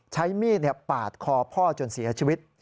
ใช้มีดปาดคอพ่อจนเสียชีวิต